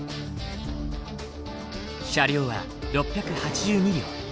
車両は６８２両。